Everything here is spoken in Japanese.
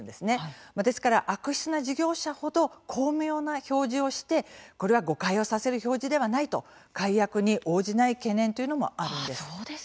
ですから、悪質な事業者ほど巧妙な表示をして、これは誤解をさせる表示ではないと解約に応じない懸念というのもあるんです。